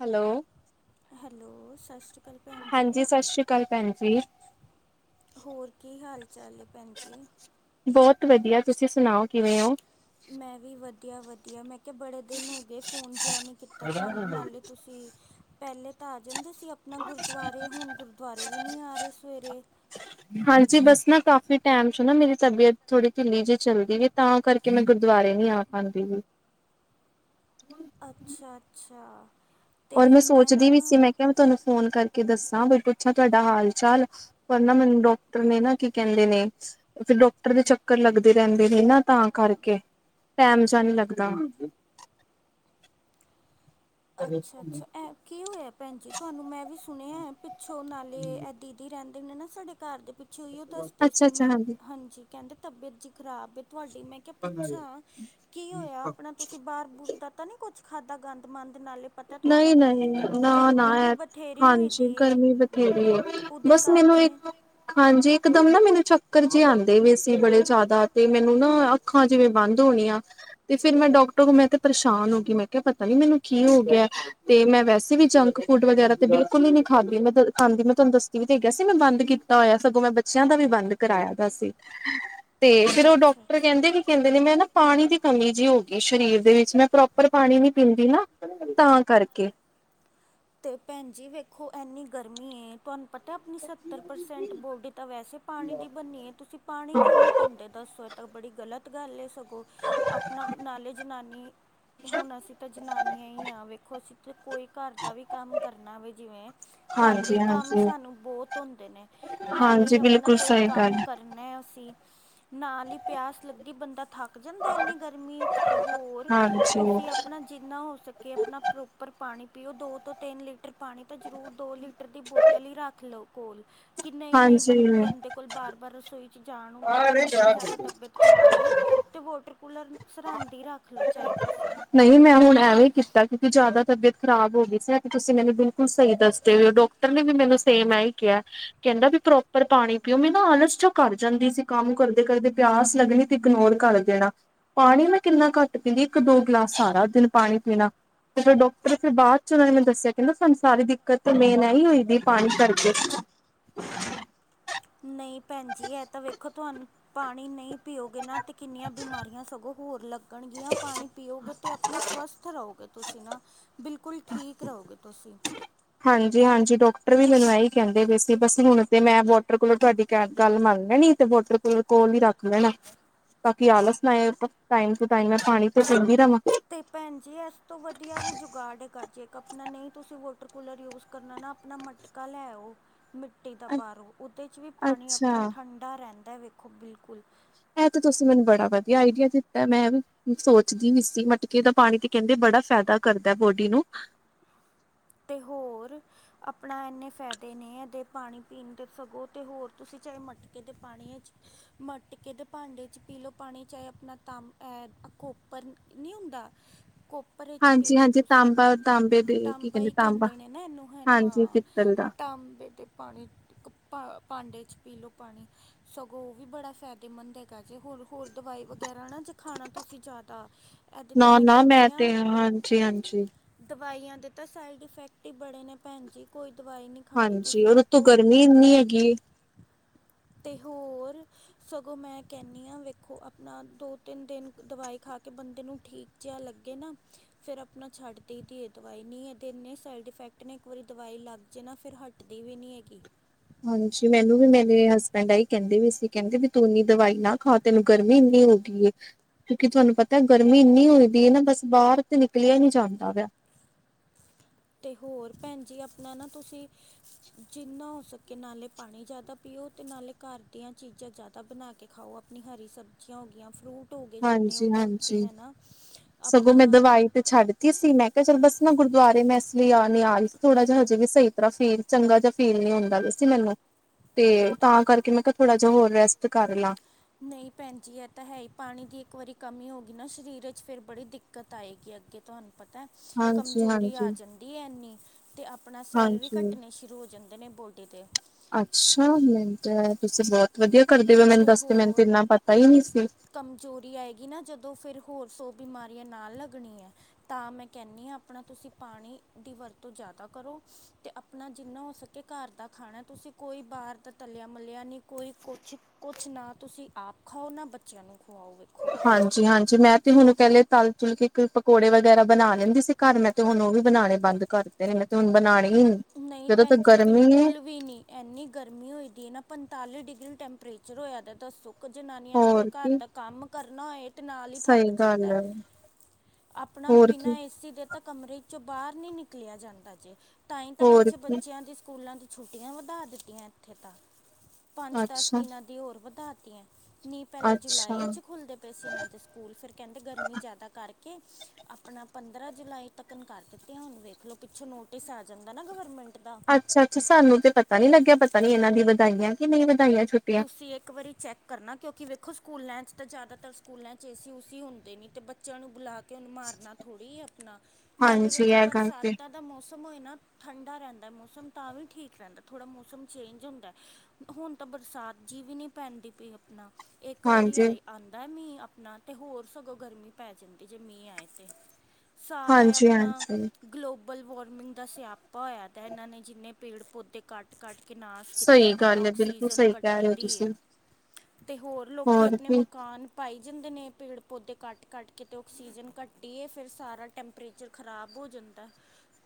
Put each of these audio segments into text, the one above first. Hello. Hello ਸਸ ਰੀ ਕਾਲ ਭੈਣ ਜੀ। ਕਲ ਭੈਨ ਜੀ। ਹੋਰ ਕੀ ਹਾਲ-ਚਾਲ ਏ ਭੈਣ ਜੀ। ਬੋਤ ਵਦੀਆ ਤੁਸੀਂ ਸੁਣਾਓ ਕਿਵੇਂ ਓ। ਮੈਂ ਵੀ ਵਦੀਆ-ਵਦੀਆ ਮੈਂ ਕਿਆ ਬੜੇ ਦਿਨ ਹੋ ਗੇ ਫੋਨ ਜਿਹਾ ਨਈ ਕੀਤਾ ਤੁਹਾਨੂੰ ਨਾਲੇ ਤੁਸੀਂ ਪਹਿਲੇ ਤਾਂ ਆ ਜਾਂਦੇ ਸੀ ਆਪ ਨਾ ਗੁਰਦੁਆਰੇ, ਹੁਨ ਗੁਰਦੁਆਰੇ ਵੀ ਨੀ ਆ ਰੇ ਸਵੇਰੇ। ਹਾਂਜੀ ਬਸ ਨਾ ਕਾਫ਼ੀ ਟਾਈਮ 'ਚ ਨਾ ਮੇਰੀ ਤਬੀਅਤ ਥੋੜ੍ਹੀ ਢਿੱਲੀ ਜੀ ਚੱਲਦੀ ਪਈ ਤਾਂ ਕਰਕੇ ਮੈਂ ਗੁਰਦੁਆਰੇ ਨੀ ਆ ਆਂਦੀ ਪਈ। ਅੱਛਾ-ਅੱਛਾ। ਔਰ ਮੈਂ ਸੋਚਦੀ ਵੀ ਸੀ ਮੈਂ ਕਿਹਾ ਮੈਂ ਤੁਹਾਨੂੰ ਫੋਨ ਕਰਕੇ ਦੱਸਾਂ ਬਾਈ ਪੁੱਛਾਂ ਤੁਹਾਡਾ ਹਾਲ ਚਾਲ। ਪਰ ਨਾ ਮੈਨੂੰ ਡਾਕਟਰ ਨੇ ਨਾ ਕੀ ਕਹਿੰਦੇ ਨੇ ਫਿਰ ਡਾਕਟਰ ਦੇ ਚੱਕਰ ਲੱਗਦੇ ਰਹਿੰਦੇ ਨੇ ਨਾ ਤਾਂ ਕਰਕੇ। ਟੈਮ ਜਾ ਨੀ ਲੱਗਦਾ। ਅੱਛਾ-ਅੱਛਾ, ਐ ਕੀ ਹੋਇਆ ਭੈਣ ਜੀ ਤੁਹਾਨੂੰ? ਮੈਂ ਵੀ ਸੁਣਿਆ ਪਿੱਛੋਂ ਨਾਲੇ ਦੀਦੀ ਰਹਿੰਦੇ ਨੇ ਨਾ ਸਾਡੇ ਘਰ ਦੇ ਪਿੱਛੇ, ਓਹੀਓ ਦੱਸਦੇ ਅੱਛਾ ਸੀ ਅੱਛਾ ਮੈਂ ਹਾਂਜੀ ਕਹਿੰਦੇ ਤਬੀਅਤ ਜੀ ਖ਼ਰਾਬ ਏ ਤੁਹਾਡੀ ਮੈਂ ਕਿਹਾ ਪੁੱਛਾਂ ਕੀ ਹੋਇਆ? ਆਪਣਾ ਤੁਸੀਂ ਬਾਰ ਬੂਰ ਦਾ ਤਾਂ ਨੀ ਕੁੱਛ ਖਾਧਾ ਗੰਦ ਮੰੰਦ ਨਾਲੇ ਪਤਾ ਨਹੀਂ ਤੁਹਾਨੂੰ, ਨਹੀਂ ਨਾ ਨਾ ਗਰਮੀ ਵੀ ਐ ਬਥੇਰੀ ਹੋਈ ਹਾਂਜੀ ਦੀ ਏ। ਗਰਮੀ ਬਥੇਰੀ ਹੈ ਓਦੇ ਬਸ ਮੈਨੂੰ ਕਰਕੇ ਇੱਕ ਹਾਂਜੀ ਇਕਦਮ ਨਾ ਮੈਨੂੰ ਚੱਕਰ ਜੇ ਆਂਦੇ ਪਏ ਸੀ ਬੜੇ ਜਾਦਾ ਤੇ ਮੈਨੂੰ ਨਾ ਅੱਖਾਂ ਜਿਵੇਂ ਬੰਦ ਹੋਣੀਆਂ ਤੇ ਫੇਰ ਮੈਂ ਡਾਕਟਰ ਕੋਲ ਮੈਂ ਤੇ ਪਰੇਸ਼ਾਨ ਹੋ ਗੀ, ਮੈਂ ਕਿਹਾ ਪਤਾ ਨੀ ਮੈਨੂੰ ਕੀ ਹੋ ਗਿਆ। ਤੇ ਮੈਂ ਵੈਸੇ ਵੀ ਜੰਕ ਫੂਡ ਵਗੈਰਾ ਤੇ ਬਿਲਕੁਲ ਈ ਨੀ ਖਾਂਦੀ, ਮੈਂ ਖਾਂਦੀ ਮੈਂ ਤੁਹਾਨੂੰ ਦੱਸੀ ਵੀ ਤੇ ਹੈਗਾ ਸੀ ਮੈਂ ਬੰਦ ਕੀਤਾ ਹੋਇਆ, ਸਗੋਂ ਮੈਂ ਬੱਚਿਆਂ ਦਾ ਵੀ ਬੰਦ ਕਰਾਇਆ ਦਾ ਸੀ। ਹੂੰ। ਤੇ ਫੇਰ ਓ ਡਾਕਟਰ ਕਹਿੰਦੇ ਕਿ ਕਹਿੰਦੇ ਨੇ ਮੈਂ ਨਾ ਪਾਣੀ ਦੀ ਕਮੀ ਜੀ ਹੋ ਗੀ ਸਰੀਰ ਦੇ ਵਿੱਚ, ਮੈਂ ਪ੍ਰੋਪਰ ਪਾਣੀ ਨੀ ਪੀਂਦੀ ਨਾ। ਤਾਂ ਕਰਕੇ। ਤੇ ਭੈਣ ਜੀ ਵੇਖੋ ਐਨੀ ਗਰਮੀ ਏ ਤੁਹਾਨੂੰ ਪਤਾ ਆਪਣੀ ਸੱਤਰ ਪਰਸੈਂਟ ਬੋਡੀ ਤਾਂ ਵੈਸੇ ਪਾਣੀ ਦੀ ਬਣੀ ਏ ਤੁਸੀਂ ਪਾਣੀ ਕਿਉਂ ਨੀ ਪਿੰਦੇ ਦੱਸੋ ਏ ਤਾਂ ਬੜੀ ਗਲਤ ਗੱਲ ਏ ਸਗੋਂ, ਆਪਣਾ ਨਾਲੇ ਜਨਾਨੀ ਹੁਨ ਅਸੀਂ ਤਾਂ ਜਨਾਨੀਆਂ ਈ ਆਂ ਵੇਖੋ ਅਸੀਂ ਤੇ ਕੋਈ ਘਰ ਦਾ ਵੀ ਕੰਮ ਕਰਨਾ ਵੇ ਜਿਵੇਂ ਘਰ ਦੇ ਹਾਂਜੀ ਕੰਮ ਹਾਂਜੀ ਸਾਨੂੰ ਬੋਤ ਹੁੰਦੇ ਨੇ ਨਾਲੇ ਹਾਂਜੀ ਹੀ ਅਪਨਾ ਬਿਲਕੁਲ ਕੋਈ ਸਹੀ ਗੱਲ ਕੰਮ ਕਰ ਨਾ ਅਸੀ ਨਾਲ ਈ ਪਿਆਸ ਲੱਗੀ ਬੰਦਾ ਥੱਕ ਜਾਂਦਾ ਐ ਇਨੀ ਗਰਮੀ 'ਚ ਤੇ ਹੋਰ ਹਾਂਜੀ। ਤੇ ਆਪਣਾ ਜਿੰਨਾ ਹੋ ਸਕੇ ਅਪਣਾ ਪ੍ਰੋਪਰ ਪਾਣੀ ਪੀਓ ਦੋ ਤੋਂ ਤਿੰਨ ਲੀਟਰ ਪਾਣੀ ਤਾਂ ਜ਼ਰੂਰ, ਦੋ ਲੀਟਰ ਦੀ ਬੋਤਲ ਹੀ ਰੱਖ ਲੋਂ ਕੋਲ। ਕਿ ਨਈ-ਨਈ ਹਾਂਜੀ ਬੰ ਬੰਦੇ ਕੋਲ ਬਾਰ-ਬਾਰ ਰਸੋਈ 'ਚ ਜਾਣ ਹੁੰਦਾ ਤੇ ਆਪਣਾ ਜਾਦਾ ਤਬੀਅਤ ਖ਼ਰਾਬ ਏ ਤੇ ਵੋਟਰ ਕੂਲਰ ਸਰਹਾਂਦੀ ਰੱਖ ਲੋ ਚਾਹੇ ਤੁਸੀਂ। ਨਈ ਮੈਂ ਹੁਣ ਐਵੇ ਹੀ ਕੀਤਾ ਕਿਉਂਕਿ ਜਾਦਾ ਤਬੀਅਤ ਖ਼ਰਾਬ ਹੋ ਗਈ ਸੀ ਐ ਤੇ ਤੁਸੀਂ ਮੈਨੂੰ ਬਿਲਕੁਲ ਸਹੀ ਦੱਸਦੇ ਪਏ ਓ ਡਾਕ ਟਰ ਨੇ ਵੀ ਮੈਨੂੰ ਸੇਮ ਐ ਈ ਕਿਹਾ। ਕਹਿੰਦਾ ਵੀ ਪ੍ਰੋਪਰ ਪਾਣੀ ਪੀਓ, ਮੈ ਨਾ ਆਲਸ ਜਾ ਕਰ ਜਾਂਦੀ ਸੀ ਕੰਮ ਕਰਦੇ-ਕਰਦੇ ਪਿਆਸ ਲੱਗਣੀ ਇਗਨੋਰ ਕਰ ਦੇਣਾ, ਪਾਣੀ ਮੈਂ ਕਿੰਨਾ ਘੱਟ ਪੀਂਦੀ, ਇੱਕ ਦੋ ਗਲਾਸ ਸਾਰਾ ਦਿਨ ਪਾਣੀ ਪੀਣਾ। ਤੇ ਫਿਰ ਡਾਕਟਰ ਫਿਰ ਬਾਦ 'ਚ ਓਨਾਂ ਨੇ ਮੈਨ ਦੱਸਿਆ ਕਹਿੰਦਾ ਤੁਹਾਨੂੰ ਸਾਰੀ ਦਿੱਕਤ ਤੇ ਮੇਨ ਐ ਹੀ ਹੋਈ ਦੀ ਪਾਣੀ ਕਰਕੇ। ਨਈ ਭੈਣ ਜੀ ਐ ਤਾਂ ਵੇਖੋ ਤੁਹਾਨੂੰ ਪਾਣੀ ਨਹੀਂ ਪੀਓਗੇ ਨਾ ਤੇ ਕਿੰਨੀਆਂ ਬਿਮਾਰੀਆਂ ਸਗੋਂ ਹੋਰ ਲੱਗਣਗੀਆਂ, ਪਾਣੀ ਪੀਓਗੇ ਤੇ ਅਪਨਾ ਸਵਸਥ ਰਹੋਗੇ ਤੁਸੀਂ ਨਾ, ਬਿਲਕੁਲ ਠੀਕ ਰਹੋਗੇ ਤੁਸੀਂ। ਹਾਂਜੀ, ਹਾਂਜੀ ਡਾਕਟਰ ਵੀ ਮੈਨੂੰ ਐਹੀ ਕਹਿੰਦੇ ਨੇ ਪਏ ਸੀ ਬਸ ਹੁਣ ਤੇ ਮੈਂ ਬਹੁ ਵਾਟਰ ਕੂਲਰ ਤੁਹਾਡੀ ਕ ਗੱਲ ਮੰਨ ਲੈਣੀ, ਤੇ ਵਾਟਰ ਕੂਲਰ ਕੋਲ ਹੀ ਰੱਖ ਲੈਣਾ। ਤਾਂਕੀ ਆਲਸ ਨਾ ਆਏ, ਟਾਈਮ ਟੂ ਟਾਈਮ ਮੈਂ ਪਾਣੀ ਤੇ ਪੀਂਦੀ ਰਵਾਂ। ਤੇ ਭੈਣ ਜੀ ਇਸ ਤੋਂ ਵਧੀਆ ਵੀ ਜੁਗਾੜ ਕਰ ਜਾਏਗਾ, ਆਪਣਾ ਨਹੀਂ ਤੁਸੀਂ ਵੋਟਰ ਕੂਲਰ ਯੂਜ ਕਰਨਾ ਨਾ ਆਪਣਾ ਮਟਕਾ ਲੈ ਆਓ। ਮਿੱਟੀ ਦਾ ਬਾਹਰੋ, ਉਹਦੇ 'ਚ ਵੀ ਪਾਣੀ ਅੱਛਾ ਆਪਣਾ ਠੰਡਾ ਰਹਿੰਦਾ, ਵੇਖੋ ਬਿਲਕੁਲ। ਇਹ ਤੇ ਤੁਸੀਂ ਮੈਨੂੰ ਬੜਾ ਵਧੀਆ ਆਈਡੀਆ ਦਿੱਤਾ ਮੈਂ ਵੀ ਸੋਚਦੀ ਵੀ ਸੀ, ਮਟਕੇ ਦਾ ਪਾਣੀ ਤੇ ਕਹਿੰਦੇ ਬੜਾ ਫਾਇਦਾ ਕਰਦਾ ਬੋਡੀ ਨੂੰ। ਤੇ ਹੋਰ। ਆਪਣਾ ਇੰਨੇ ਫਾਇਦੇ ਨੇ, ਇਹਦੇ ਪਾਣੀ ਪੀਣ ਦੇ ਸਗੋਂ ਤੇ ਹੋਰ ਤੁਸੀਂ ਚਾਹੇ ਮਟਕੇ ਦੇ ਪਾਣੀ ਇਚ ਮਟਕੇ ਦੇ ਭਾਂਡੇ 'ਚ ਪੀ ਲਓ ਪਾਣੀ ਚਾਹੇ ਆਪਣਾ ਤਾਮ, ਕੋੋਪਰ ਨਹੀਂ ਹੁੰਦਾ। ਕੋਪ ਹਾਂਜੀ, ਹਾਂਜੀ, ਤਾਂਬਾ, ਤਾਂਬੇ ਤਾਂਬਾ ਹੀ ਕਹਿੰਦੇ ਨੇ ਨਾ ਇਹਨੂੰ ਹੈ ਹਾਂਜੀ ਹਾਂ, ਪਿੱਤਲ ਦਾ ਤਾਂਬੇ ਦੇ ਪਾਣੀ ਭ, ਭਾਂਡੇ 'ਚ ਪੀ ਲਓ ਪਾਣੀ। ਸਗੋਂ ਉਹ ਵੀ ਬੜਾ ਫ਼ਾਇਦੇਮੰਦ ਹੈਗਾ ਜੇ, ਹੋਰ, ਹੋਰ ਦਵਾਈ ਵਗੈਰਾ ਨਾ ਜੇ ਖਾਣਾ ਤੁਸੀਂ ਜ਼ਿਆਦਾ ਐਦੇ ਤੇ ਮੈਂ ਨਾ-ਨਾ ਕਹਿਨੀ ਤੇ ਆ ਹਾਂਜੀ-ਹਾਂਜੀ-ਹਾਂਜੀ ਦਵਾਈਆਂ ਦੇ ਤਾਂ ਸਾਈਡ ਇਫੈਕਟ ਹੀ ਬੜੇ ਨੇ ਭੈਣ ਜੀ, ਕੋਈ ਦਵਾਈ ਨਹੀਂ ਖਾਣੀ ਹਾਂਜੀ, ਤੁਸੀਂ ਹੋਰ ਉਤੋਂ ਵੇਖੋ ਗਰਮੀ ਏਨੀ ਹੈਗੀ ਏ। ਤੇ ਹੋਰ। ਸਗੋਂ ਮੈਂ ਕਹਿੰਨੀ ਆਂ, ਵੇਖੋ ਆਪਣਾ ਦੋ- ਤਿੰਨ ਦਿਨ ਦਵਾਈ ਖਾ ਕੇ ਬੰਦੇ ਨੂੰ ਠੀਕ ਜਿਆਂ ਲੱਗੇ ਨਾ ਫਿਰ ਆਪਣਾ ਛੱਡ ਦੇਈ ਦੀਏ ਦਵਾਈ, ਨਹੀਂ ਇਹਦੇ ਇੰਨੇ ਸਾਈਡ ਇਫੈਕਟ ਨੇ ਇੱਕ ਵਾਰੀ ਦਵਾਈ ਲੱਗ ਜੇ ਨਾ ਫਿਰ ਹਟ ਹਟਦੀ ਵੀ ਨਹੀਂ ਹੈਗੀ। ਹਾਂਜੀ, ਮੈਨੂੰ ਵੀ ਮੇਰੇ ਹਸਬੈਂਡ ਐਹੀ ਕਹਿੰਦੇ ਵੀ ਸੀ ਕਹਿੰਦੇ ਵੀ ਤੂੰ ਇੰਨੀ ਦਵਾਈ ਨਾ ਖਾ ਤੈਨੂੰ ਗਰਮੀ ਏਨੀ ਹੋ ਗਈ ਏ। ਕਿਉਂਕਿ ਤੁਹਾਨੂੰ ਪਤਾ ਗਰਮੀ ਇੰਨੀ ਹੋਈਦੀ ਏ ਨਾ, ਬਸ ਬਾਹਰ ਤੇ ਨਿਕਲਿਆ ਹੀ ਨਹੀਂ ਜਾਂਦਾ ਪਿਆ। ਤੇ ਹੋਰ ਭੈਨ ਜੀ ਆਪਨਾ ਨਾ ਤੁਸੀ, ਜਿੰਨਾ ਹੋ ਸਕੇ ਨਾਲੇ ਪਾਨੀ ਜ਼ਿਆਦਾ ਪੀਓ ਤੇ ਨਾਲੇ ਘਰ ਦੀਆਂ ਚੀਜ਼ਾਂ ਜ਼ਿਆਦਾ ਬਨਾ ਕੇ ਖਾਓ, ਆਪਨੀ ਹਰੀ ਸਬਜ਼ੀਆਂ ਹੋ ਗਈਆਂ, ਫਰੂਟ ਟ ਹੋਗੇ ਜਿੰਨੇ ਹੋ ਸਕੇ ਹਾਂਜੀ-ਹਾਂਜੀ ਹਨਾ, ਸਗੋਂ ਮੈਂ ਆਪਨਾ ਦਵਾਈ ਤੇ ਛੱਡਤੀ ਸੀ, ਮੈਂ ਕਿਹਾ ਚੱਲ ਬਸ ਨਾ ਗੁਰਦੁਆਰੇ ਮੈਂ ਇਸ ਲਈ ਆ ਨੀ ਆ ਰਹੀ ਸੀ ਥੋੜਾ ਜਿਹਾ ਹਜੇ ਵੀ ਸਹੀ ਤਰਾਹ ਫੀਲ ਚੰਗਾ ਜਿਹਾ ਫੀਲ ਨੀ ਹੁੰਦਾ ਪਿਆ ਸੀ ਮੈਨੂੰ, ਤੇ ਤਾਂ ਕਰਕੇ ਮੈਂ ਕਿਹਾ, ਥੋੜਾ ਜਿਹਾ ਹੋਰ ਰੈਸਟ ਕਰ ਲਾਂ। ਨਹੀਂ ਭੈਨ ਜੀ, ਇਹ ਤਾਂ ਹੈ ਹੀ ਪਾਣੀ ਦੀ ਇੱਕ ਵਾਰੀ ਕਮੀ ਹੋ ਗਈ ਨਾ ਸਰੀਰ ਵਿੱਚ ਫਿਰ ਬੜੀ ਦਿੱਕ ਦਿੱਕਤ ਆਏਗੀ ਅੱਗੇ ਤੁਹਾਨੂੰ ਪਤਾ, ਕਮਜ਼ੋਰੀ ਆ ਹਾਂਜੀ-ਹਾਂਜੀ, ਹਾਂਜੀ। ਜਾਂਦੀ ਤ ਇੰਨੀ, ਤੇ ਆਪਣਾ ਸੈੱਲ ਵੀ ਹਾਂਜੀ, ਕੱਟਨੇ ਸ਼ੁਰੂ ਹੋ ਜਾਂਦੇ ਨੇ ਬੋਡੀ ਦੇ। ਅੱਛਾ, ਮੈਨੂੰ ਤਾਂ ਤੁਸੀਂ ਬਹੁਤ ਵਧੀਆ ਕਰਦੇ ਹੋ ਮੈਨੂੰ ਤੇ ਦੱਸਦੇ ਮੈਨੂੰ ਤੇ ਹੋਰ ਇੰਨਾ ਪਤਾ ਹੀ ਨਹੀਂ ਸੀ। ਕਮਜ਼ੋਰੀ ਆਏਗੀ ਨਾ ਜਦੋਂ, ਫਿਰ ਹੋਰ ਸੌ ਬਿਮਾਰੀਆਂ ਨਾਲ ਲੱਗਣੀਯਾਂ। ਤਾਂ ਮੈਂ ਕਹਿੰਨੀ ਆ ਆਪਣਾ ਤੁਸੀਂ ਪਾਣੀ, ਦੀ ਵਰਤੋਂ ਜ਼ਿਆਦਾ ਕਰੋ ਤੇ ਅਪ ਅਪਨਾ ਜਿੰਨਾ ਹੋ ਸਕੇ, ਘਰ ਦਾ ਖਾਣਾ ਤੁਸੀਂ ਕੋਈ ਬਾਹਰ ਦਾ ਤੱਲਿਆ ਮੱਲਿਆ ਨਹੀਂ ਕੋਈ ਕੁਛ ਕੁਛ ਨਾ ਤੁਸੀਂ ਆਪ ਖਾਓ, ਨਾ ਬੱਚਿਆਂ ਨੂੰ ਖਵਾਓ। ਵੇਖੋ ਹਾਂਜੀ -ਹਾਂਜੀ, ਮੈਂ ਤੇ ਹੁਨ ਪਹਿਲੇ ਤਲ ਤੁਲ ਕੇ ਪਕੌੜੇ ਵਗੈਰਾ ਬਨਾ ਲੈਂਦੀ ਸੀ ਘਰ, ਮੈਂ ਤੇ ਹੁਨ ਓਹ ਵੀ ਬਣਾਉਨੇ ਬੰਦ ਕਰਤੇ ਨੇ ਮੈਂ ਤੇ ਹੁਨ ਬਣਾਨੇ ਨਹੀਂ ਭੈਨ ਜੀ ਬਿਲਕੁਲ ਵੀ ਨੀ। ਇੰਨੀ ਗਰਮੀ ਹੋਈ ਦੀ ਨਾ, ਪੰਤਾਲੀ ਡਿਗਰੀ ਟੈਂਪਰੇਚਰ ਹੋਇਆ ਤਾਂ ਦੱਸੋ। ਜਨਾਨੀਆਂ ਨੇ ਕੋਈ ਹੋਰ ਘਰ ਕੀ ਦਾ ਕੰਮ ਕਰਨਾ ਹੋਏ। ਨਾਲ ਈ ਥੱਕ ਸਹੀ ਗੱਲ ਜਾਈਦਾ, ਹੈ ਅਪਣਾ ਹੋਰ ਕੀ ਬਿਨਾਂ ਏਸੀ ਦੇ ਤਾਂ ਕਮਰੇ ਚੋਂ ਬਾਹਰ ਨੀ ਨਿਕਲਿਆ ਜਾਂਦਾ ਜੇ ਤਾਂ ਹੀ ਤਾਂ ਹੋਰ ਪਿੱਛੇ ਕੀ ਬੱਚਿਆਂ ਦੇ ਸਕੂਲਾਂ ਦੀ ਛੁੱਟੀਆਂ ਵਧਾ ਦਿੱਤੀਆਂ ਇੱਥੇ ਤਾਂ ਪੰਜ ਦਸ ਦਿਨਾਂ ਦੀ ਹੋਰ ਵਧਾਤੀਆਂ। ਨਈਂ ਪਹਿਲੇ ਅੱਛਾ-ਅੱਛਾ ਜੁਲਾਈ ਚ ਖੁਲਦੇ ਪੇ ਸੀਨਾਂ ਦੇ ਸਕੂਲ ਫਿਰ ਕਹਿੰਦੇ ਗਰਮੀ ਜ਼ਿਆਦਾ ਕਰਕੇ ਆਪਣਾ ਪੰਦਰਾਂ ਜੁਲਾਈ ਤੱਕ ਕਰ ਦਿੱਤੇ ਹੁਨ ਵੇਖ ਲੋ ਪਿੱਛੋਂ ਨੋਟਿਸ ਆ ਜਾਂਦਾ ਨਾ ਗਵਰਮੈਂਟ ਦਾ। ਅੱਛਾ ਅੱਛਾ, ਸਾਨੂੰ ਤੇ ਪਤਾ ਨੀ ਲੱਗਿਆ ਪਤਾ ਨੀ ਇਹਨਾਂ ਦੀ ਵਧਾਈਆਂ ਕਿ ਨਈਂ ਵਧਾਈਆਂ ਛੁਟ ਤੁਸੀਂ ਇੱਕ ਵਾਰੀ ਚੈੱਕ ਕਰਨਾ ਕਿਉਂਕਿ ਵੇਖੋ ਸਕੂਲਾਂ ਚ ਤਾਂ ਜ਼ਿਆਦਾਤਰ ਸਕੂਲਾਂ ਚ ਏ ਸੀ ਉਸੀ ਹੁੰਦੇ ਨਈ ਅਤੇ ਬੱਚਿਆਂ ਨੂੰ ਬੁਲਾ ਉਹਨੂੰ ਮਾਰਨਾ ਥੋੜੀ ਏ ਆਪਨਾ ਨਾਲੇ ਹਾਂਜੀ ਵੇਖੋ ਇਹ ਗੱਲ ਤੇ ਬਰਸਾਤਾਂ ਦਾ ਮੌਸਮ ਹੋਏ ਨਾ ਠੰਡਾ ਰਹਿੰਦਾ ਮੌਸਮ ਤਾਂ ਵੀ ਠੀਕ ਰਹਿੰਦਾ ਥੋੜਾ ਮੌਸਮ ਚੇਂਜ ਹੁੰਦਾ ਹੁਨ ਤਾਂ ਬਰਸਾਤ ਜੀ ਵੀ ਨ੍ਹੀਂ ਪੈਂਦੀ ਪਈ ਆਪਨਾ, ਇੱਕ ਵਾਰੀ ਆਈ। ਆਂਦਾ ਮੀਂਹ ਆਪਨਾ ਤੇ ਹੋਰ ਸਗੋਂ ਗਰਮੀ ਪੈ ਜਾਂਦੀ ਜੇ ਮੀਂਹ ਆਏ ਤੇ। ਸਾਰਾ ਆਪਨਾ ਹਾਂਜੀ-ਹਾਂਜੀ-ਹਾਂਜੀ ਗਲੋਬਲ ਵਾਰਮਿੰਗ ਦਾ ਸਿਆਪਾ ਹੋਇਆ ਦਾ ਇਹਨਾਂ ਨੇ ਜਿੰਨੇ ਪੇੜ ਪੌਦੇ ਕਟ ਕੱਟ ਕੇ ਨਾਸ਼ ਕੀਤਾ ਸਹੀ ਆਪਨਾ। ਗੱਲ ਹੈ ਬਿਲਕੁਲ [unintelligible] ਸਹੀ ਕਹਿ ਕੱਟੀ ਰਹੇ ਹੋ ਦੀ ਏ ਤੁਸੀਂ ਤੇ ਹੋਰ ਲੋਕੀ ਹੋਰ ਆਪਨੇ ਕੀ ਮਕਾਨ ਕਾਨ ਪਾਈ ਜਾਂਦੇ ਨੇ ਪੇੜ ਪੌਦੇ ਕੱਟ-ਕੱਟ ਕੇ ਤੇ ਆਕਸੀਜਨ ਘੱਟਦੀ ਏ ਫੇਰ ਸਾਰਾ ਟੈਂਪਰੇਚਰ ਖ਼ਰਾਬ ਹੋ ਜਾਂਦਾ,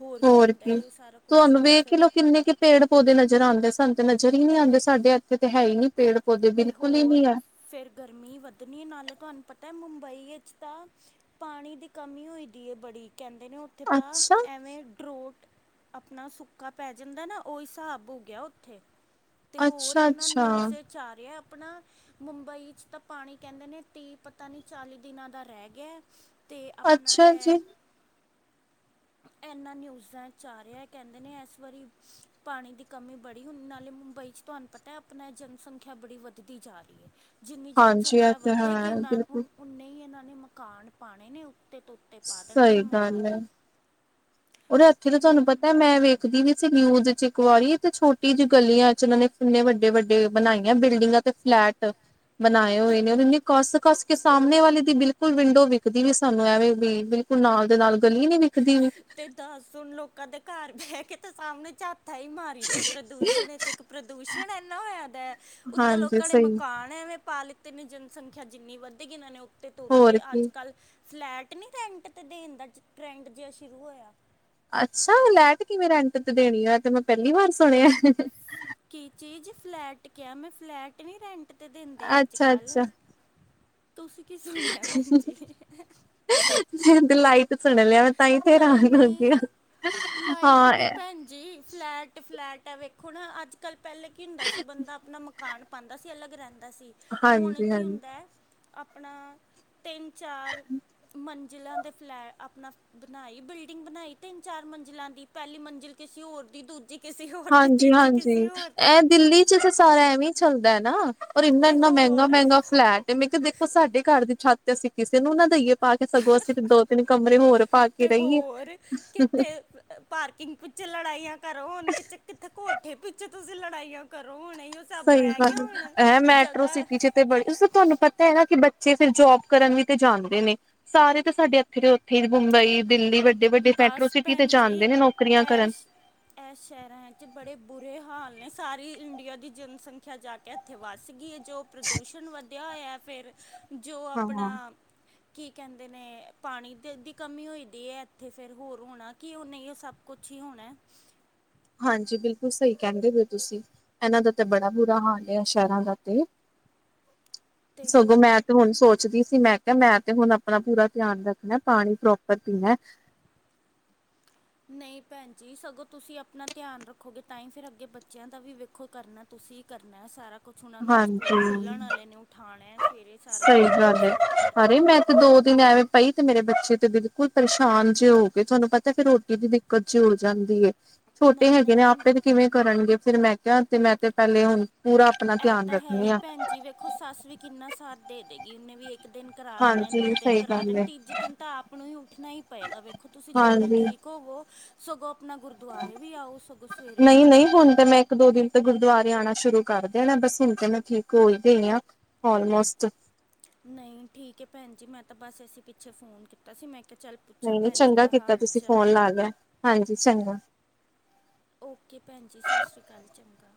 ਹੋਰ ਕੀ ਹੁੰਦਾ ਏਹਿਓ ਸਾਰਾ ਕੁਛ ਤੁਹਾਨੂੰ ਹੁੰਦਾ ਵੇਖ ਹੀ ਫੇਰ ਲੋ ਕਿੰਨੇ ਕੁ ਪੇੜ ਪੌਦੇ ਨਜ਼ਰ ਆਂਦੇ ਸਾਨੂੰ ਤੇ ਨਜ਼ਰ ਈ ਨੀ ਆਂਦੇ ਸਾਡੇ ਇੱਥੇ ਤੇ ਹੈ ਈ ਨ੍ਹੀਂ ਪੇੜ। ਪੌਦੇ ਤੇ ਬਿਲਕੁਲ ਹੀ ਹੋਰ ਨਹੀਂ ਹੈ ਫੇਰ ਗਰਮੀ ਵੱਧਨੀ ਏ ਨਾਲੇ ਤੁਹਾਨੂੰ ਪਤਾ ਮੁੰਬਈ ਵਿੱਚ ਤਾਂ ਪਾਣੀ ਦੀ ਕਮੀ ਹੋਈ ਦੀ ਏ ਬੜੀ ਕਹਿੰਦੇ ਨੇ ਓਥੇ ਤਾਂ ਅੱਛਾ ਐਵੇਂ ਡਰੋਟ ਆਪਨਾ ਸੁੱਕਾ ਪੈ ਜਾਂਦਾ ਏ ਨਾ ਓਹ ਹਿਸਾਬ ਹੋ ਗਿਆ ਓਥੇ ਤੇ ਹੋਰ ਅੱਛਾ ਇਹਨਾਂ ਅੱਛਾ ਨਿਊਜ਼ ਚ ਆ ਰਿਹਾ ਆਪਣਾ। ਮੁੰਬਈ ਚ ਤਾਂ ਪਾਣੀ ਕਹਿੰਦੇ ਨੇ ਤੀ੍ਹ ਪਤਾ ਨੀ ਚਾਲੀ ਦਿਨਾਂ ਦਾ ਰਹਿ ਗਿਆ ਏ। ਅਤੇ ਆਪਨਾ ਅੱਛਾ ਇਹ ਜੀ ਇਨਾਂ ਨਿਊਜ਼ਾਂ ਚ ਆ ਰਿਹਾ ਕਹਿੰਦੇ ਨੇ ਇਸ ਵਾਰੀ ਪਾਣੀ ਦੀ ਕਮੀ ਬੜੀ ਹੁਨ ਨਾਲੇ ਮੁੰਬਈ ਚ ਤੁਹਾਨੂੰ ਪਤਾ ਐ, ਆਪਨਾ ਜਨਸੰਖਿਆ ਬੜੀ ਵੱਧਦੀ ਜਾ ਰਹੀ ਏ। ਜਿੰਨੀ ਹਾਂਜੀ ਇਹ ਜਨਸੰਖਿਆ ਤਾਂ ਹੈ ਵੱਧੇਗੀ ਓਹਨਾਂ ਬਿਲਕੁਲ ਉਨ ਉਨੇ ਹੀ ਇਹਨਾਂ ਨੇ ਮਕਾਨ ਪਾਉਣੇ ਨੇ ਉੱਤੇ ਤੋ ਤੇ ਪਾ ਦੇਨੇ ਨੇ ਸਹੀ ਮਕਾਨ। ਓਹਦੇ ਅਤੇ ਐਥੇ ਤੇ ਇਹਨਾਂ ਤੁਹਾਨੂੰ ਨੂੰ ਪਤਾ ਮੈਂ ਵੇਖਦੀ ਵੀ ਸੀ ਨਿਊਜ਼ ਚ। ਕੁਆਰੀ ਤੇ ਛੋਟੀ ਜਿਹੀ ਗਲੀਆਂ ਚ ਇਹਨਾਂ ਨੇ ਕਿੰਨੇ ਵੱਡੇ-ਵੱਡੇ ਬਣਾਈਆਂ ਬਿਲਡਿੰਗਾਂ ਤੇ ਫਲੈਟ। ਬਣਾਏ ਅਤੇ ਹੋਏ ਨੇ ਇਨੇ ਕੱਸ-ਕੱਸ ਕੇ ਸਾਹਮਣੇ ਵਾਲੇ ਦੀ ਬਿਲਕੁਲ ਵਿੰਡੋ ਵਿਖਦੀ ਵੀ ਸਾਨੂੰ ਐਵੇਂ ਵੀ ਬਿਲਕੁਲ ਨਾਲ ਦੇ ਨਾਲ ਗਲੀ ਨੀ ਵਿਖਦੀ ਵੀ ਤੇ ਦੱਸ ਹੁਣ ਲੋਕਾਂ ਦੇ ਘਰ ਬਹਿਕੇ ਤੇ ਸਾਹਮਣੇ ਚਾ ਥ ਹੀ ਮਾਰੀ ਜਾਓ ਪ੍ਰਦੂਸ਼ਣ ਵਿਚ ਇਕ ਪ੍ਰਦੂਸ਼ਣ ਇਨਾ ਹੋਇਆ ਦਾ ਉਤੋਂ ਹਾਂਜੀ ਲੋਕਾਂ ਨੇ ਸਹੀ ਮਕਾਨ ਐਂਵੇਂ ਪਾ ਲਿੱਤੇ ਨੇ ਜਨਸੰਖਿਆ ਜਿਨੀ ਵੱਧੇਗੀ ਇਹਨਾਂ ਨੇ ਉਤੇ ਤ ਹੋਰ ਉਤੇ ਕੀ ਅਜ-ਕਲ ਫਲੈਟ ਨੀਂ ਰੈਂਟ ਤੇ ਦੇਣ ਦਾ ਟਰੈਂਡ ਜੇਹਾ ਸ਼ੁਰੂ ਹੋਇਆ। ਅਛਾ ਲੈਟ ਕਿਵੇ ਰੈਂਟ ਤੇ ਦੇਣੀ ਆ ਤੇ ਮੈ ਪਹਿਲੀ ਵਾਰ ਸੁਣਿਆ। ਕੀ ਚੀਜ਼ ਫਲੈਟ ਕਿਹਾ ਮੈਂ, ਫਲੈਟ ਨੀਂ ਰੈਂਟ ਤੇ ਦਿੰਦੇ ਅਜ-ਕਲ ਅੱਛਾ-ਅੱਛਾ ਤੁਸੀ ਕੀ ਸੁਣਿਆ ਭੈਣਜੀ ਦੀ ਲਾਈਟ ਸੁਣ ਲਿਆ ਮੈ ਤਾਂ ਹੀ ਨਹੀਂ ਹਰਾਨ ਹੋਈ ਨਹੀਂ ਪਈ ਆਂ। ਲਾਈਟ ਹਾਂ ਨਹੀਂ ਇਹ ਭੈਣ ਜੀ ਫਲੈਟ-ਫਲੈਟ ਏ, ਵੇਖੋ ਨਾ ਅਜ-ਕਲ ਪਹਿਲਾਂ ਕੀ ਹੁੰਦਾ ਸੀ ਬੰਦਾ ਆਪਣਾ ਮਕਾਨ ਪਾਂਦਾ ਸੀ, ਅਲੱਗ ਰਹਿਦਾ ਸੀ। ਹੁਣ ਕੀ ਹਾਂਜੀ-ਹਾਂਜੀ ਹੁੰਦਾ ਐ। ਆਪਣਾ ਤਿੰਨ ਚਾਰ ਮੰਜ਼ਿਲਾ ਦੇ ਫਲੈਟ ਆਪਣਾ ਬਣਾਈ ਬਿਲਡਿੰਗ ਬਣਾਈ, ਤਿੰਨ- ਚਾਰ ਮੰਜ਼ਿਲਾ ਦੀ, ਪਹਿਲੀ ਮੰਜ਼ਿਲ ਕਿਸੇ ਹੋਰ ਦੀ, ਦੂਜੀ- ਕਿਸੇ ਹੋਰ ਦੀ, ਤੀਜੀ ਕਿਸੇ ਹੋਰ ਦੀ- ਉੱਥੇ ਤਾਂ ਸਾਰਾ ਐਵੇ ਹੀ ਚੱਲਦਾ ਹੈ ਨਾ- ਔਰ ਇੰਨਾ- ਤੇ ਇੰਨਾ ਮਹਿੰਗਾ- ਹੋਰ ਮਹਿੰਗਾ ਫਲੈਟ, ਮੈ ਕਿਹਾ ਦੇਖੋ ਸਾਡੇ ਘਰ ਦੀ ਛੱਤ ਅਸੀ ਕਿਸੇ ਨੂੰ ਨਾ ਦਈਏ- ਪਾ ਕੇ ਸਗੋਂ ਅਸੀ ਤੇ ਦੋ- ਤਿੰਨ ਕਮਰੇ ਹੋਰ ਪਾ ਕੇ ਤੇ ਰਹੀਏ- ਹੋਰ ਕਿੱਥੇ ਪਾਰਕਿੰਗ ਪਿੱਛੇ ਲੜਾਈਆਂ ਕਰੋ, ਹੁਣ ਕਿ ਕਿਥੇ ਕੋਠੇ ਪਿੱਛੇ ਤੁਸੀ ਲੜਾਈਆਂ। ਕਰੋ ਹੁਣ, ਉਹ ਸਭ ਸਹੀ ਰਹਿ ਗਿਆ ਗੱਲ ਹੁਣ, ਐ ਮੈਟਰੋ ਜਗ੍ਹਾ। ਸਿਟੀ ਚ ਤੇ ਬੜੇ ਤੁਹਾਨੂੰ ਪਤਾ ਹੈ ਨਾ, ਕਿ ਬੱਚੇ ਫਿਰ ਜੋਬ ਕਰਨ ਵੀ ਤੇ ਜਾਦੇ ਨੇ- ਸਾਰੇ ਤਾਂ ਸਾਡੇ ਇਥੇ ਦੇ ਉਥੇ ਹੀ ਮੁੰਬਈ- ਦਿੱਲੀ ਵੱਡੇ- ਵੱਡੇ ਮੈਟਰੋ ਬਸ ਸਿਟੀ ਤੇ ਭੈਣ ਜੀ ਜਾਂਦੇ ਨੇ ਨੌਕਰੀਆਂ ਕਰਨ- ਐਸ ਇਹ ਸ਼ਹਿਰਾਂ ਵਿਚ ਬੜੇ ਬੁਰੇ ਹਾਲ ਨੇ, ਸਾਰੀ ਇੰਡੀਆ ਦੀ ਜਨਸੰਖਿਆ ਜਾ ਕੇ ਇਥੇ ਵਸ ਗਈ। ਜੋ ਪ੍ਰਦੂਸ਼ਣ ਵਧਿਆ ਹੋਇਆ ਫਿਰ, ਜੋ ਹਾਂ ਆਪਣਾ। ਕੀ ਕਹਿੰਦੇ ਨੇ, ਪਾਣੀ ਦੇ ਦੀ ਕਮੀ ਹੋਈ- ਤੇ ਇਥੇ ਫੇਰ ਹੋਰ ਹੋਣਾ ਕਿ ਉਹ ਨਹੀ ਉਹ ਸਭ ਕੁਛ ਹੀ ਹੋਣਾ। ਹਾਂਜੀ ਬਿਲਕੁਲ ਸਹੀ ਕਹਿੰਦੇ ਹੋ ਤੁਸੀ, ਇਹਨਾ ਦਾ ਤੇ ਬੜਾ ਬੁਰਾ ਹਾਲ ਆ ਸ਼ਹਿਰਾਂ ਦਾ ਤੇ- [inaudible] ਸਗੋਂ ਮੈਂ ਹੋਰ ਤੇ ਹੁਣ ਸੋਚ- ਪੁਛਦੀ ਸੀ, ਮੈ ਕਿਹਾ ਮੈ ਤੇ ਹੁਣ ਆਪਣਾ ਪੂਰਾ ਧਿਆਨ ਰੱਖਣਾ, ਪਾਣੀ ਪ੍ਰੋਪਰ ਪੀਣਾ। ਨਹੀ ਭੈਣ ਜੀ, ਸਗੋਂ ਤੁਸੀ ਆਪਣਾ ਧਿਆਨ ਰੱਖੋਗੇ ਤਾਂ ਹੀ ਫਿਰ ਅੱਗੇ ਬੱਚਿਆਂ ਦਾ ਵੀ ਵੇਖੋ ਕਰਨਾ- ਤੁਸੀ ਕਰਨਾ ਸਾਰਾ- ਕੁਛ ਉਹਨਾਂ ਨੂੰ ਹੁਣ ਸਕੂਲ ਹਾਂਜੀ ਖੁਲਣ ਵਾਲੇ ਨੇ, ਉਠਾਣਾ ਸਵੇਰੇ ਸਾਰਾ ਰੂਟੀਨ ਸੈਟ ਕਰਨਾ ਉਹਨਾਂ ਦਾ- ਨ ਐਵੇ ਪਈ, ਤੇ ਮੇਰੇ ਬੱਚੇ ਤੇ ਬਿਲਕੁਲ ਪਰੇਸ਼ਾਨ ਜਿਹੇ ਹੋ ਗਏ, ਤੁਹਾਨੂੰ ਪਤਾ ਫੇਰ ਰੋਟੀ ਦੀ ਦਿੱਕਤ ਜਿ ਹੋ ਜਾਦੀ ਹੈ। ਛੋਟੇ ਨਹੀਂ ਹੈਗੇ ਨੇ, ਨਹੀਂ ਆਪੇ ਤੇ ਕਿਵੇਂ ਕਰਨਗੇ ਫੇਰ ਮੈ ਕਿਹਾ ਤੇ ਮੈਂ ਤੇ ਪਹਿਲੇ ਹੁਣ- ਪੂਰਾ ਆਪਣਾ ਧਿਆਨ ਰੱਖਨੀ ਆ। ਦੇਖੋ ਸੱਸ ਵੀ ਕਿਨਾ ਸਾਥ ਦੇ ਦੇਗੀ, ਉਹਨੇ ਵੀ ਇੱਕ ਦਿਨ- ਕਰਾ ਦੇਣੇ, ਦੋ ਹਾਂਜੀ ਦਿਨ ਸਹੀ ਕਰਾ ਗੱਲ ਦੇਣੇ, ਏ ਤੀਜੇ ਦਿਨ ਤਾਂ ਆਪ ਨੂੰ ਹੀ ਉਠਣਾ ਹੀ ਪਏਗਾ ਵੇਖੋ ਤੁਸੀ ਜਲਦੀ ਹਾਂਜੀ। ਠੀਕ ਹੋਵੋ- ਸਗੋਂ ਆਪਣਾ ਗੁਰਦੁਆਰੇ ਵੀ ਆਓ, ਸਗੋ ਸਵੇਰੇ- ਨਹੀ ਹੁਣ ਤੇ ਮੈ- ਇਕ- ਦੋ ਦਿਨ ਤੇ ਗੁਰਦੁਆਰੇ ਆਉਣਾ ਸ਼ੁਰੂ ਕਰ ਦੇਣਾ, ਬਸ ਹੁਣ ਤੇ ਮੈ ਠੀਕ ਹੋ ਹੀ ਗਈ ਹਾਂ, ਆਲਮੋਸਟ ਨਹੀ, ਠੀਕ ਹੈ ਭੈਣ ਜੀ, ਮੈ ਤਾਂ ਬਸ ਅਸੀ ਪਿੱਛੇ ਫੋਨ ਕੀਤਾ ਸੀ, ਮੈ ਕਿਹਾ ਚਲ- ਨਹੀ- ਨਹੀਂ ਚੰਗਾ ਕੀਤਾ ਤੁਸੀ ਫੋਨ ਲਾ ਲਿਆ, ਹਾਂਜੀ ਚੰਗਾ- ਓਕੇ ਭੈਣ ਜੀ, ਸਤਿ ਸ਼੍ਰੀ ਅਕਾਲ, ਚੰਗਾ।